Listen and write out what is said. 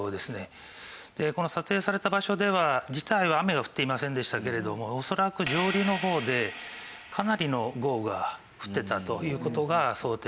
この撮影された場所では自体は雨は降っていませんでしたけれども恐らく上流の方でかなりの豪雨が降っていたという事が想定されます。